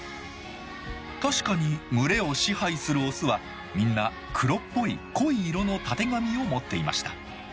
確かに群れを支配するオスはみんな黒っぽい濃い色のたてがみを持っていました。